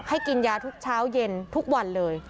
กินยาทุกเช้าเย็นทุกวันเลย